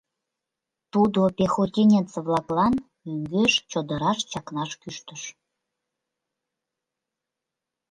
Тудо пехотинец-влаклан мӧҥгеш чодыраш чакнаш кӱштыш.